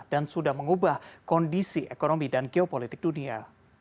dan sudah mengubah kondisi ekonomi dan geopolitik dunia